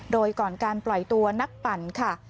โดยก่อนการปล่อยตัวนักปั่นค่ะ